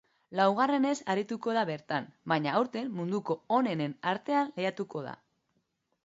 Laugarrenez arituko da bertan, baina aurten munduko onenen artean lehiatuko da.